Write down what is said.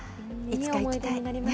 いつか行きたい。